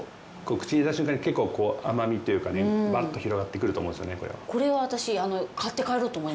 口に入れた瞬間に、結構甘みというか、バッと広がってくると思うんですよね。